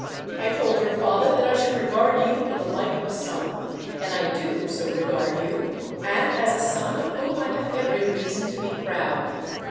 I told your father that I should regard you in the light of a son, and I do so regard you, and as a son of whom I have every reason to be proud.